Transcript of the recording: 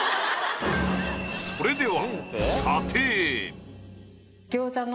それでは。